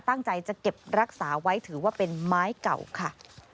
ตั้งใจจะเก็บรักษาไว้ถือว่าเป็นไม้เก่าค่ะ